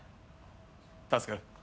助かる。